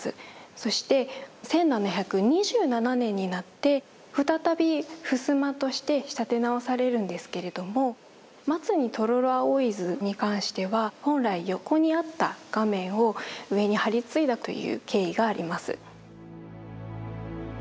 そして１７２７年になって再び襖として仕立て直されるんですけれども「松に黄蜀葵図」に関しては本来横にあった画面を上に貼り接いだという経緯があります。